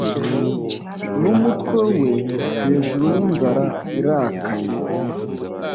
n'umutwe we hejuru n'inzara irakaye